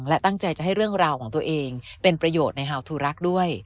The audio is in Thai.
และตั้งใจจะให้เรื่องราวของตัวเองเป็นประโยชน์ในฮาวทูรักษ์ด้วย